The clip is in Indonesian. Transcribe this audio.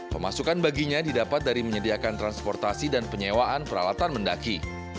pemasukan baginya didapat dari menyediakan transportasi dan penyewaan peralatan mendaki